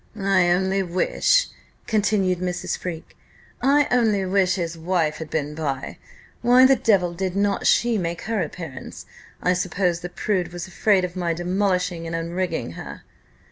"I only wish," continued Mrs. Freke, "I only wish his wife had been by. Why the devil did not she make her appearance? I suppose the prude was afraid of my demolishing and unrigging her."